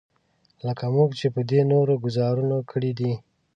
لکه موږ چې په دې نورو ګوزارونو کړی دی.